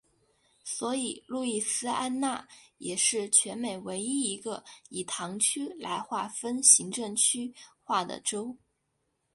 所以路易斯安那也是全美唯一一个以堂区来划分行政区划的州。